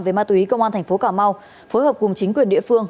về ma túy công an tp hcm phối hợp cùng chính quyền địa phương